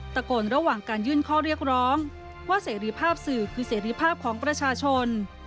ระหว่างการยื่นข้อเรียกร้องว่าเสรีภาพสื่อคือเสรีภาพของประชาชน